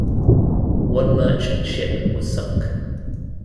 One merchant ship was sunk.